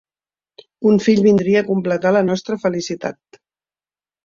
Un fill vindria a completar la nostra felicitat.